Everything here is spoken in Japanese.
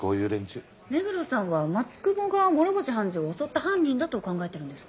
目黒さんは松久保が諸星判事を襲った犯人だと考えてるんですか？